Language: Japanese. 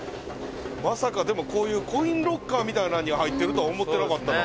「まさかでもこういうコインロッカーみたいなのに入ってるとは思ってなかったな」